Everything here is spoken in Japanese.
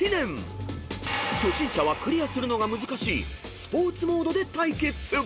［初心者はクリアするのが難しいスポーツモードで対決］